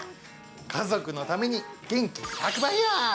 家族のために元気１００倍や。